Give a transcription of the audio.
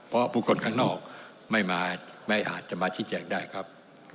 เพราะบุคคลข้างนอกไม่อาจจะมาชี้แกงได้ครับ